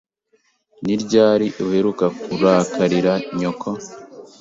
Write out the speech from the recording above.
Ni ryari uheruka kurakarira nyoko?